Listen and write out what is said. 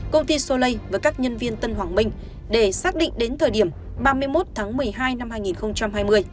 công ty solei với các nhân viên tân hoàng minh để xác định đến thời điểm ba mươi một tháng một mươi hai năm hai nghìn hai mươi